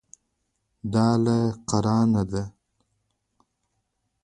دا له قرانه ده.